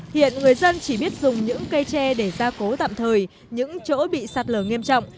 hiện người dân chỉ biết dùng những cây tre để gia cố tạm thời những chỗ bị sạt lở nghiêm trọng